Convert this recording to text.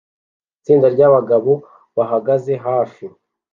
Itsinda ryabagabo bahagaze hafi